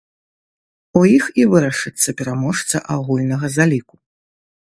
У іх і вырашыцца пераможца агульнага заліку.